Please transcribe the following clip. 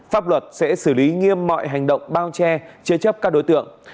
pháp luật sẽ xử lý nghiêm mọi hành động bao che chế chấp các đối tượng